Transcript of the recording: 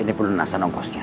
ini penelasan ongkosnya